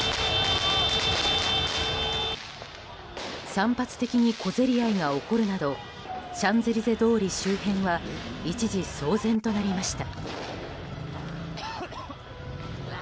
散発的に小競り合いが起こるなどシャンゼリゼ通り周辺は一時騒然となりました。